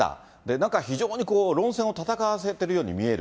なんか非常に論戦を戦わせてるように見える。